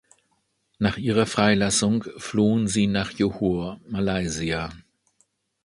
Nach ihrer Freilassung flohen sie nach Johor, Malaysia.